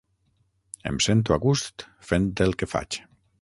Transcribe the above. Em sento a gust fent el que faig.